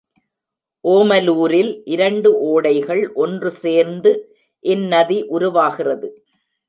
ஓமலூரில் இரண்டு ஓடைகள் ஒன்று சேர்ந்து இந்நதி உருவாகிறது.